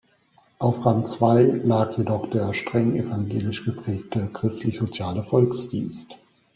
Auf Rang zwei lag jedoch der streng evangelisch geprägte Christlich-soziale Volksdienst.